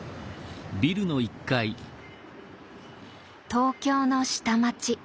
東京の下町。